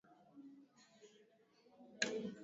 Viazi vitamu vinaweza kupikwa chips